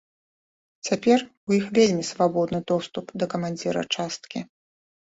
Цяпер у іх вельмі свабодны доступ да камандзіра часткі.